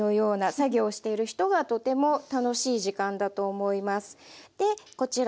作業をしている人がとても楽しい時間だと思います。